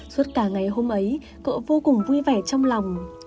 suốt cả ngày hôm ấy cậu vô cùng vui vẻ trong lòng